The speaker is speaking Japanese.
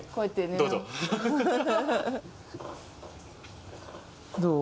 はいどうぞどう？